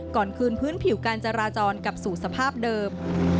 ก่อนคืนพื้นผิวการจราจรกลับสู่สภาพเดิม